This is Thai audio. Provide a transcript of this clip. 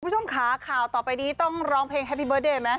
คุณผู้ชมค่ะข่าวต่อไปนี้ต้องร้องเพลงแฮปปี้เดิร์เดย์ไหม